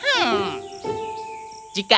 hanya rambutnya yang sedikit menjulur keluar